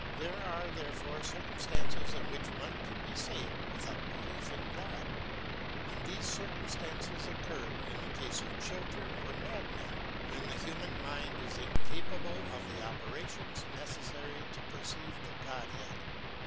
There are, therefore, circumstances in which one can be saved without belief in God, and these circumstances occur in the case of children or madmen when the human mind is incapable of the operations necessary to perceive the Godhead.